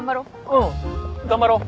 うん頑張ろう。